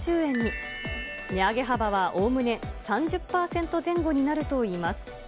値上げ幅はおおむね３０％前後になるといいます。